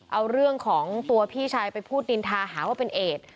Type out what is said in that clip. เอาเรื่องของตัวพี่ชายไปพูดนินทาหาว่าเป็นเอด